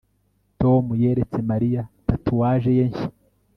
Tom yeretse Mariya tatouage ye nshya